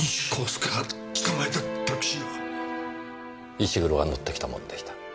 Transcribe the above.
石黒が乗ってきたものでした。